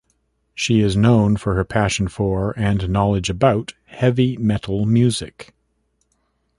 She is known for her passion for and knowledge about heavy metal music.